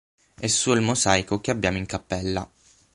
È suo il mosaico che abbiamo in Cappella.